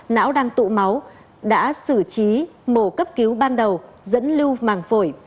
não đang tụ máu đã sử trí mổ cấp cứu ban đầu dẫn lưu màng phổi